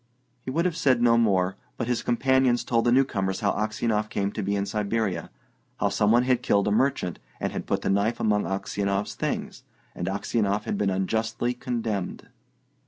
He would have said no more, but his companions told the newcomers how Aksionov came to be in Siberia; how some one had killed a merchant, and had put the knife among Aksionov's things, and Aksionov had been unjustly condemned.